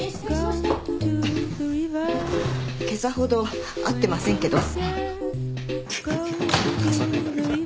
けさほど会ってませんけど。